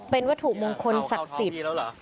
เป็นวัตถุมงคลศักดิ์สิทธิ์